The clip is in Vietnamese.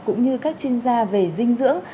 cũng như các chuyên gia về dinh dưỡng